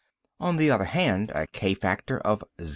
On the other hand, a k factor of 0.